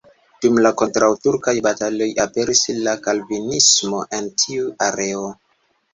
Dum la kontraŭturkaj bataloj aperis la kalvinismo en tiu areo.